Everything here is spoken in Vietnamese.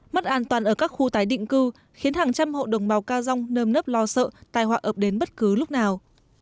mất an toàn ở các khu tái định cư khiến hàng trăm hộ đồng bào ca dông nơm nớp lo sợ tài họa ập đến bất cứ lúc nào